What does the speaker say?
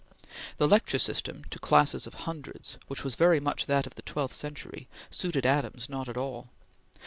The lecture system to classes of hundreds, which was very much that of the twelfth century, suited Adams not at all.